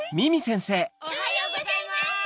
・おはようございます！